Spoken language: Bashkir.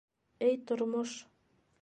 Эй тормош!